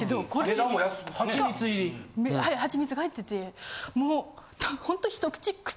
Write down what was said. はいはちみつが入っててもう。